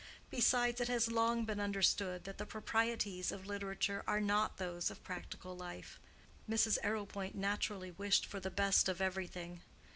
Besides, it has long been understood that the proprieties of literature are not those of practical life. Mrs. Arrowpoint naturally wished for the best of everything.